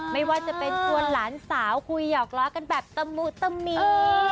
ไม่ว่าจะเป็นชวนหลานสาวคุยหยอกล้อกันแบบตะมุตมิ